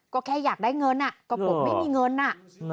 ก็แค่อยากได้เงินกระปกไม่มีเงินอ่ะ